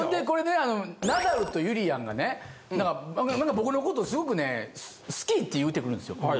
これねあのナダルとゆりやんがねなんか僕のことすごくね「好き」って言うてくるんですよ。